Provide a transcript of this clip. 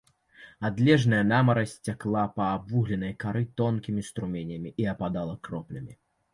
Адлежная намаразь цякла па абвугленай кары тонкімі струменямі і ападала кроплямі.